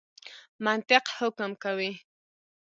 منطق حکم کوي.